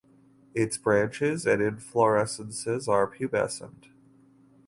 Its branches and inflorescences are pubescent.